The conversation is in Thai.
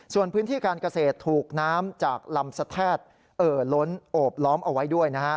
ส่วนพื้นที่การเกษตรถูกน้ำจากลำสะแทกเอ่อล้นโอบล้อมเอาไว้ด้วยนะฮะ